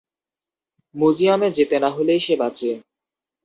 ম্যুজিয়মে না যেতে হলেই সে বাঁচে।